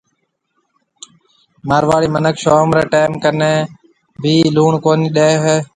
مارواڙِي مِنک شوم ري ٽيم ڪَني ڀِي لُوڻ ڪونِي ڏيَ هيَ۔